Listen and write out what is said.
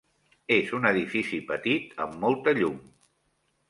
És un edifici petit amb molta llum.